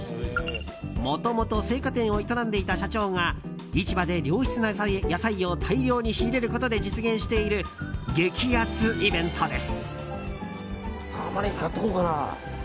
もともと青果店を営んでいた社長が市場で良質な野菜を大量に仕入れることで実現している激アツイベントです。